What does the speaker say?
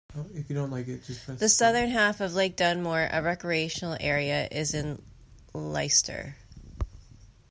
The southern half of Lake Dunmore, a recreational area, is in Leicester.